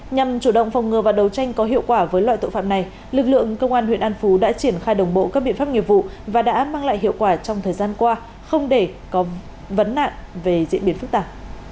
nhằm chủ động phòng ngừa và đấu tranh có hiệu quả với loại tội phạm này lực lượng công an huyện an phú đã triển khai đồng bộ các biện pháp nghiệp vụ và đã mang lại hiệu quả trong thời gian qua không để có vấn nạn về diễn biến phức tạp